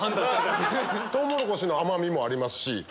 トウモロコシの甘みもありますし。